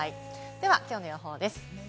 ではきょうの予報です。